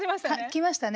きましたね。